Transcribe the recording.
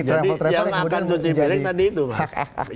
jadi yang akan cuci piring tadi itu mas